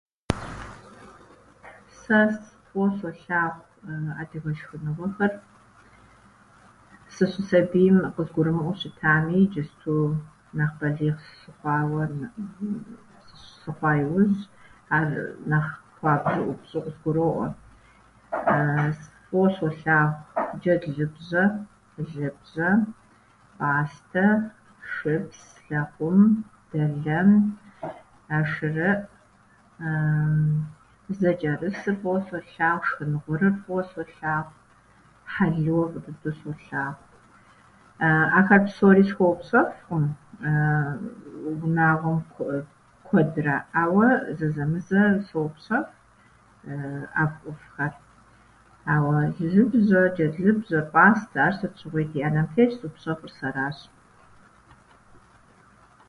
Сэ с- фӏыуэ солъагъу ы- адыгэ шхыныгъуэхэр. Сыщысабийм къызгурымыӏуэу щытами, иджысту нэхъ балигъ сыхъуауэ, сыщ- сыхъуа иужь, ар нэхъ хуабжьу, ӏупщӏу къызгуроӏуэ. Фӏыуэ солъагъу джэд лыбжьэ, лыбжьэ, пӏастэ, шыпс, лэкъум, дэлэн, ӏэшырыӏ, зэчӏэрысыр фӏыуэ солъагъу, шхынгъурыр фӏыуэ солъагъу, хьэлыуэ фӏы дыдэу солъагъу. Ахэр псори схуэупщӏэфӏкъым унагъуэм ку- куэдрэ, ауэ зэзэмызэ сопщэфӏ ӏэфӏӏуфӏхэр, ауэ лыбжьэ, джэдлыбжьэ, пӏастэ, ар сыт щыгъуи ди ӏэнэм телъщ, зыпщэфӏыр сэращ.